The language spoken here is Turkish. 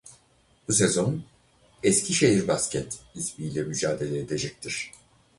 Bu sezon Eskişehir Basket ismiyle mücadele edecektir.